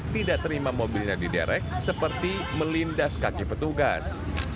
tidak terima mobilnya diderek seperti melindas kaki petugas